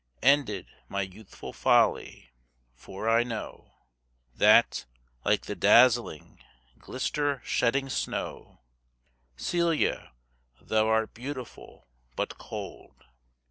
Ended my youthful folly! for I know That, like the dazzling, glister shedding snow, Celia, thou art beautiful, but cold.